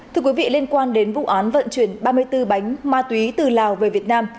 thưa quý vị liên quan đến vụ án vận chuyển ba mươi bốn bánh ma túy từ lào về việt nam